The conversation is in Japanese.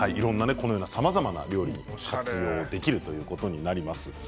さまざまな料理ができるということになります。